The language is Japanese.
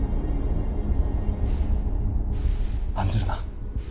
案ずるな。